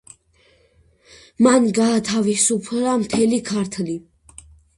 მან გაათავისუფლა მთელი ქართლი.